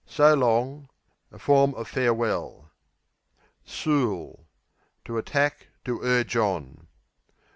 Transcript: So long A form of farewell. Sool To attack; to urge on.